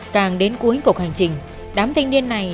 càng đến cuối cuộc hành trình đám thanh niên này